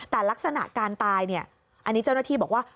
แต่ลักษณะการตายเนี่ยอันนี้เจ้าหน้าที่บอกว่า